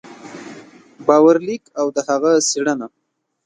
باور لیک او د هغه څېړنه